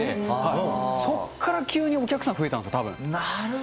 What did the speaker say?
そこから急にお客さん、増えたんですよ、たぶん。